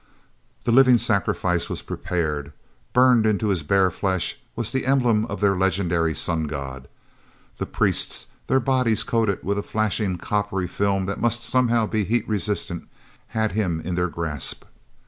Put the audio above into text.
he living sacrifice was prepared. Burned into his bare flesh was the emblem of their legendary sun god. The priests, their bodies coated with a flashing coppery film that must somehow be heat resistant, had him in their grasp.